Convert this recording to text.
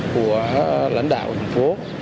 của lãnh đạo thành phố